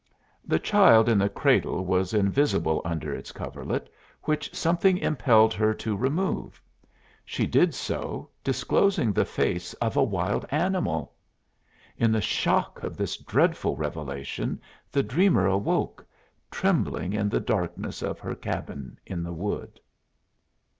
The child in the cradle was invisible under its coverlet which something impelled her to remove. She did so, disclosing the face of a wild animal! In the shock of this dreadful revelation the dreamer awoke, trembling in the darkness of her cabin in the wood.